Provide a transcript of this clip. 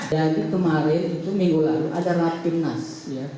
yang itu kemarin itu minggu lalu ada rapat pimpinan nasional